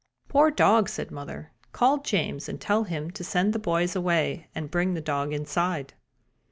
"Poor dog!" said mother. "Call James and tell him to send the boys away and bring the dog inside."